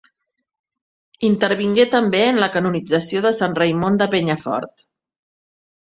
Intervingué també en la canonització de Sant Raimon de Penyafort.